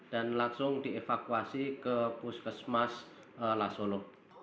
dan langsung dievakuasi ke pusat kesehatan mas lasolo